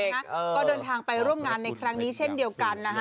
ก็เดินทางไปร่วมงานในครั้งนี้เช่นเดียวกันนะคะ